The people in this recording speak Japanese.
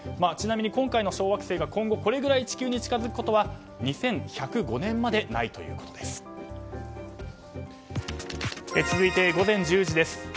ちなみに今回の小惑星が今後これぐらい地球に近づくことは２１０５年まで続いて午前１０時です。